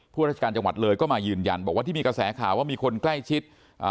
ราชการจังหวัดเลยก็มายืนยันบอกว่าที่มีกระแสข่าวว่ามีคนใกล้ชิดอ่า